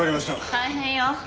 大変よ。